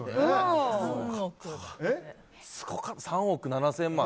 ３億７０００万